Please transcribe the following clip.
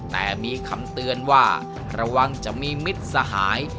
แต่มีคำเตือนว่าระวังจะมีมิตรสหาย